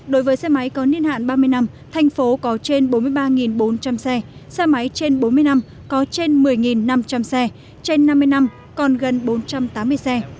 đối với xe máy có niên hạn ba mươi năm thành phố có trên bốn mươi ba bốn trăm linh xe xe máy trên bốn mươi năm có trên một mươi năm trăm linh xe trên năm mươi năm còn gần bốn trăm tám mươi xe